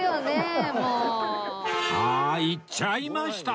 あ行っちゃいました！